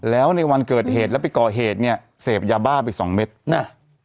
แล้วในวันเกิดเหตุแล้วไปก่อเหตุเนี่ยเสพยาบ้าไปสองเม็ดน่ะ